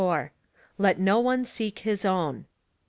Let no one seek his own.